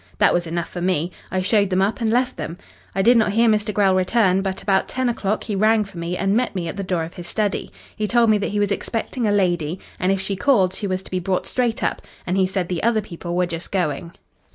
"That was enough for me. I showed them up and left them. I did not hear Mr. Grell return, but about ten o'clock he rang for me and met me at the door of his study. He told me that he was expecting a lady, and if she called she was to be brought straight up; and he said the other people were just going.